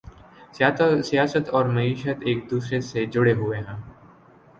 سیاست اور معیشت ایک دوسرے سے جڑے ہوئے ہیں۔